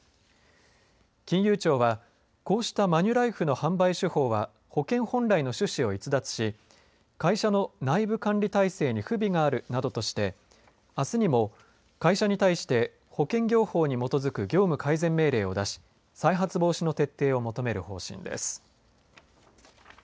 金融庁は、こうしたマニュライフの販売手法は保険本来の趣旨を逸脱し会社の内部管理態勢に不備があるなどとしてあすにも会社に対して保険業法に基づく業務改善命令を出し再発防止の徹底を求める方針です。